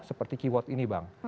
seperti keyword ini bang